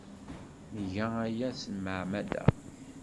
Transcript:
Nga aya s tmeɛmada.